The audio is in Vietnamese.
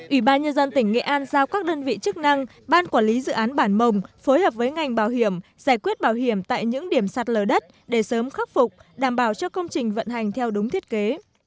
ủy ban nhân dân tỉnh nghệ an giao các đơn vị chức năng ban quản lý dự án bản mồng phối hợp với ngành bảo hiểm giải quyết bảo hiểm tại những điểm sạt lở đất để sớm khắc phục đảm bảo cho công trình vận hành theo đúng thiết kế